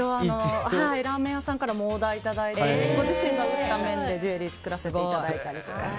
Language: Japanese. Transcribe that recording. ラーメン屋さんからもオーダーをいただいてご自身のラーメンでジュエリーを作らせていただいたり。